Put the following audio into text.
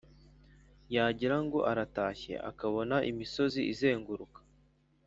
yagira ngo aratashye akabona imisozi izenguruka